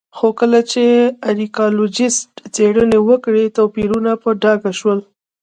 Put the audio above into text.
خو کله چې ارکيالوجېسټ څېړنې وکړې توپیرونه په ډاګه شول